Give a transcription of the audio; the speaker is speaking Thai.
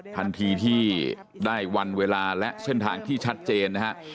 ทันทีที่ได้วันเวลาและเส้นทางที่ชัดเจนนะฮะ